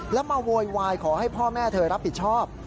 แล้วมาโวยวายขอให้พ่อแม่เธอรับผิดชอบ